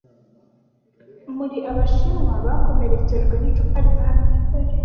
Muri Abashinwa bakomerekejwe n’icupa rya byeri